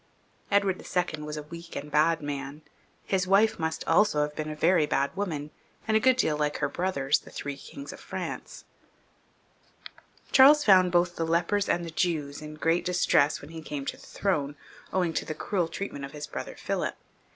Edward II. was a weak and bad man; his wife must also have been a very bad woman, and a good deal like her brothers, the three Kings of Franca Charles found both the lepers and the Jews in great distress when he came ^ to the throne, owing to the cruel treatment of his brother Philip.